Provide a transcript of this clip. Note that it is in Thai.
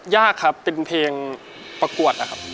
ยากครับเป็นเพลงประกวดนะครับ